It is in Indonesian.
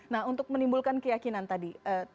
nah untuk menimbulkan keyakinan tadi